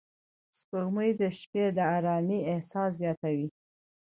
سپوږمۍ د شپې د آرامۍ احساس زیاتوي